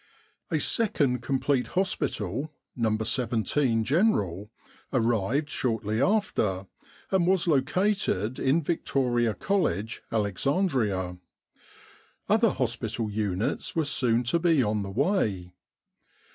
A second complete hospital, No. 17 General, arrived shortly after, and was located in Victoria College, Alex andria. Other hospital units were soon to be on the way.